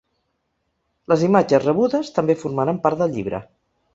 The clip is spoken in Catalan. Les imatges rebudes també formaran part del llibre.